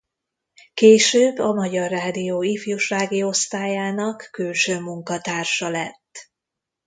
Később a Magyar Rádió ifjúsági osztályának külső munkatársa lett.